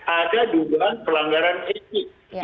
ada dugaan pelanggaran etik